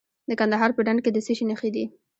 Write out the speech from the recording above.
د کندهار په ډنډ کې د څه شي نښې دي؟